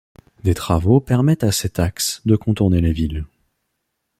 Des travaux permettent à cet axe de contourner la ville.